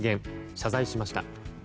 謝罪しました。